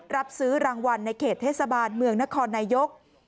รับซื้อรางวัลในเขตเทศบาลเมืองนครนายก